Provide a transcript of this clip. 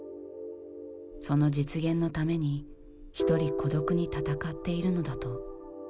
その実現のために１人孤独に闘っているのだと。